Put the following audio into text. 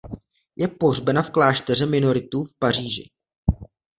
Je pohřbena v klášteře minoritů v Paříži.